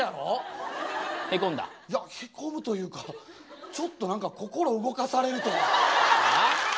いやへこむというかちょっと何か心動かされるというか。はあ？